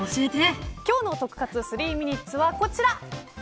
今日の得活３ミニッツはこちら。